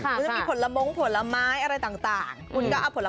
ให้ใส่น้องใส่น้ำอย่างนี้หรอ